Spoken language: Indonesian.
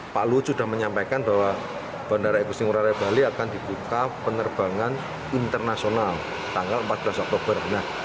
pak luhut sudah menyampaikan bahwa bandara igusti ngurah rai bali akan dibuka penerbangan internasional tanggal empat belas oktober